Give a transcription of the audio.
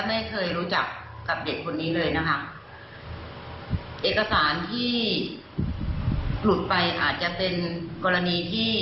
ว่าไม่ได้รู้จักเป็นคำส่วนตัวหรือว่าอย่างไร